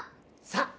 さあ！